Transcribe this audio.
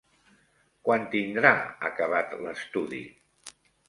Quan tindrà acabat l'estudi?